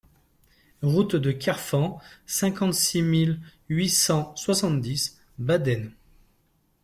Route de Kerfanc, cinquante-six mille huit cent soixante-dix Baden